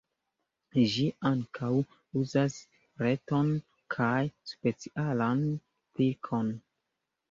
Ĝi ankaŭ uzas reton kaj specialan pilkon.